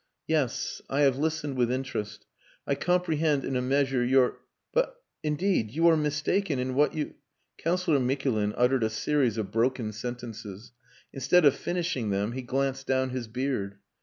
"Yes. I have listened with interest. I comprehend in a measure your... But, indeed, you are mistaken in what you...." Councillor Mikulin uttered a series of broken sentences. Instead of finishing them he glanced down his beard.